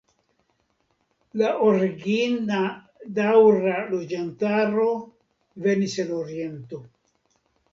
La origina daŭra loĝantaro venis el oriento.